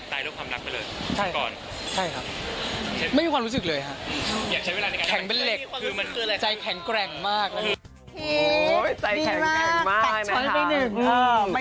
ปิดตาด้วยความรักไปเลยจากก่อน